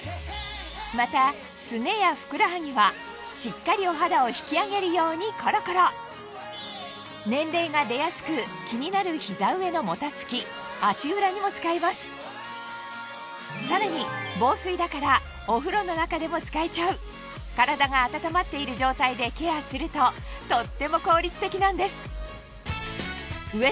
またスネやふくらはぎはしっかりお肌を引き上げるようにコロコロ年齢が出やすく気になる膝上のもたつき足裏にも使えますさらに体が温まっている状態でケアするととっても効率的なんです